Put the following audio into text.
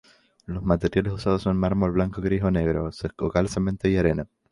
Los materiales usados son mármol blanco, gris o negro, o cal, cemento y arena.